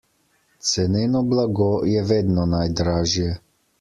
Ceneno blago je vedno najdražje.